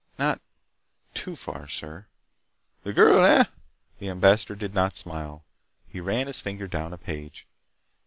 "Not too far, sir—" "The girl, eh?" The ambassador did not smile. He ran his finger down a page.